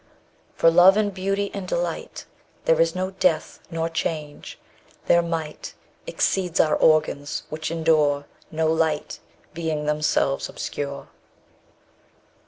For love, and beauty, and delight, There is no death nor change: their might _135 Exceeds our organs, which endure No light, being themselves obscure.